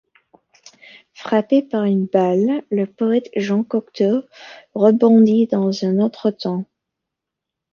Frappé par une balle, le poète Jean Cocteau rebondit dans un autre temps.